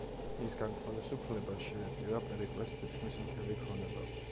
მის განთავისუფლებას შეეწირა პერიკლეს თითქმის მთელი ქონება.